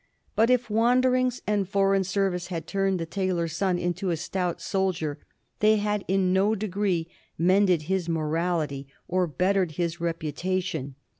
But, if wanderings and foreign service had turned the tailor's son into a stout soldier, they had in no degree mended his morality or bettered his reputation.